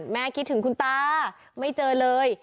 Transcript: คิดถึงคุณตาไม่เจอเลย